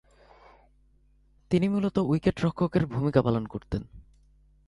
তিনি মূলতঃ উইকেট-রক্ষকের ভূমিকা পালন করতেন।